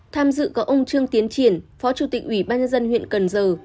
tham dự có ông trương tiến triển phó chủ tịch ủy ban nhân dân huyện cần giờ